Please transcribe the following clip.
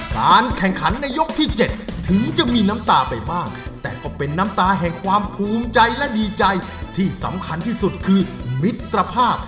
การแข่งขันในยกที่๗ถึงจะมีน้ำตาไปบ้างแต่ก็เป็นน้ำตาแห่งความภูมิใจและดีใจที่สำคัญที่สุดคือมิตรภาพ